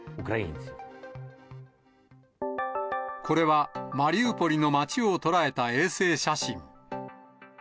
これは、マリウポリの町を捉えた衛星写真。